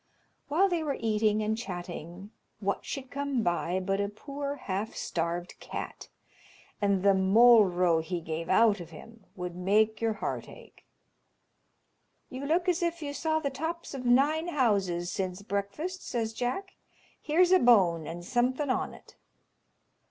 While they were eating and chatting, what should come by but a poor half starved cat, and the moll row he gave out of him would make your heart ache. "You look as if you saw the tops of nine houses since breakfast," says Jack; "here's a bone and something on it."